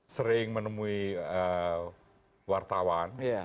sering menemui wartawan